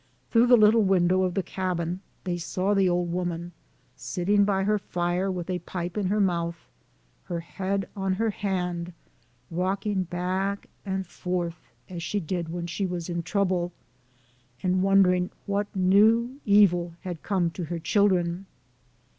Through the little window of the cabin, they saw the old woman sitting by her fire with a pipe in her mouth, her head on her hand, rocking back and forth as she did when she was in tiouble, and wondering what new evil had come to her children.